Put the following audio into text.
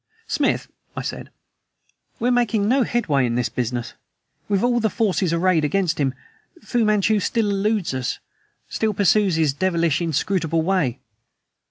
"Smith" I said, "we are making no headway in this business. With all the forces arrayed against him, Fu Manchu still eludes us, still pursues his devilish, inscrutable way."